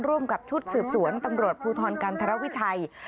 ร่วมกับชุดสืบสวนตำรวจภูทรกันธรวิชัย